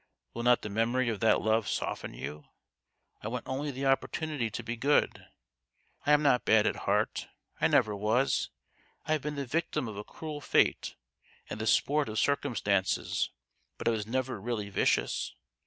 Will not the memory of that love soften you ? I want only the opportunity to be good. I am 12 1 84 THE GHOST OF THE PAST. not bad at heart I never was. I have been the victim of a cruel fate and the sport of circumstances, but I was never really vicious.